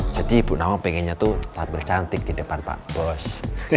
jadi ibu nawang pengennya tuh tampil cantik di depan pak bos